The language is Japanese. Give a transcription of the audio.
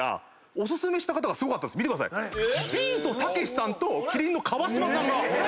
ビートたけしさんと麒麟の川島さんが。